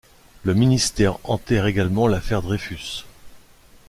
Le ministère enterre également l'Affaire Dreyfus.